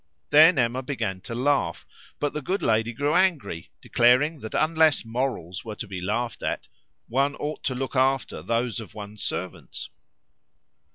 Then Emma began to laugh, but the good lady grew angry, declaring that unless morals were to be laughed at one ought to look after those of one's servants.